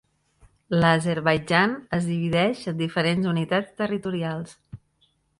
L'Azerbaidjan es divideix en diferents unitats territorials.